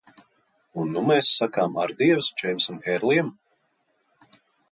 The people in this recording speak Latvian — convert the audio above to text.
Un nu mēs sakām ardievas Džeimsam Hērlijam?